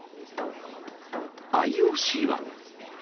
ＩＯＣは。